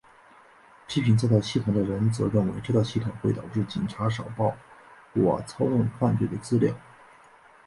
批评这套系统的人则认为这套系统会导致警察少报或操弄犯罪的资料。